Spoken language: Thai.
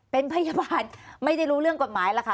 เป็นพยาบาลไม่ได้รู้เรื่องกฎหมายแล้วค่ะ